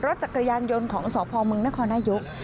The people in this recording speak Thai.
รถจากกระยานยนต์ของศพมนครนายุค